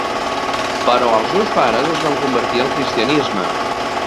Però els seus pares es van convertir al cristianisme.